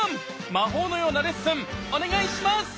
魔法のようなレッスンお願いします！